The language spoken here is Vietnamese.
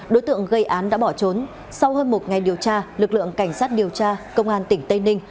đối tượng gây án đã bỏ trốn sau hơn một ngày điều tra lực lượng cảnh sát điều tra công an tỉnh tây ninh